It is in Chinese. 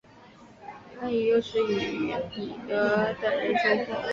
金万燮于是又与彼得等人重逢。